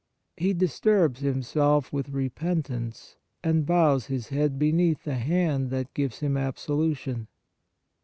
He disturbs himself with repentance and bows his head beneath the hand that gives him absolu tion.